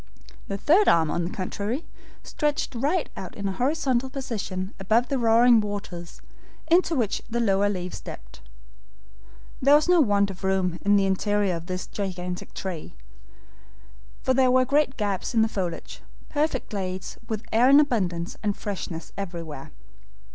The third arm, on the contrary, stretched right out in a horizontal position above the roaring waters, into which the lower leaves dipped. There was no want of room in the interior of this gigantic tree, for there were great gaps in the foliage, perfect glades, with air in abundance, and freshness everywhere.